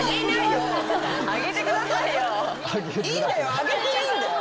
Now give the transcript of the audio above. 挙げていいんだよ。